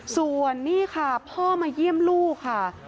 ส่วนนี่ค่ะพ่อมาเยี่ยมลูกค่ะ